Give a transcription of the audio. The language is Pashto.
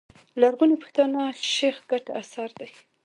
لرغوني پښتانه، شېخ کټه اثر دﺉ.